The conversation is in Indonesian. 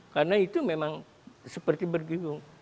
karena itu memang seperti megibung